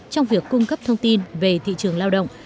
trong việc cung cấp thông tin về thị trường lao động